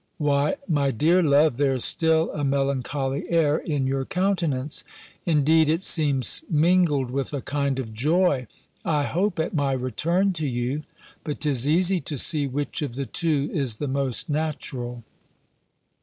"Why, my dear love, there is still a melancholy air in your countenance: indeed, it seems mingled with a kind of joy; I hope at my return to you. But 'tis easy to see which of the two is the most natural."